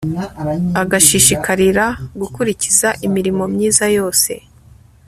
agashishikarira gukurikiza imirimo myiza yose